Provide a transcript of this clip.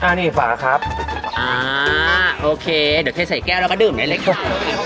อ่านี่ฝากครับอ๋าโอเคเดี๋ยวแค่ใส่แก้วแล้วก็ดื่มไหนเลยค่ะ